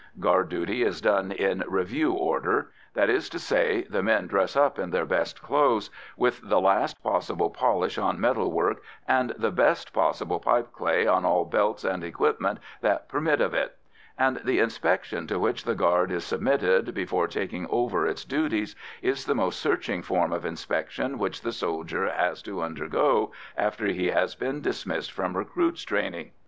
Guard duty is done in "review order." That is to say, the men dress up in their best clothes, with the last possible polish on metal work and the best possible pipeclay on all belts and equipment that permit of it; and the inspection to which the guard is submitted before taking over its duties is the most searching form of inspection which the soldier has to undergo after he has been dismissed from recruits' training.